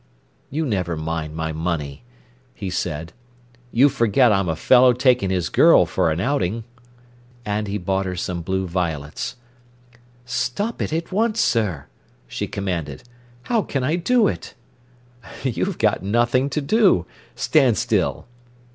"You never mind my money," he said. "You forget I'm a fellow taking his girl for an outing." And he bought her some blue violets. "Stop it at once, sir!" she commanded. "How can I do it?" "You've got nothing to do. Stand still!"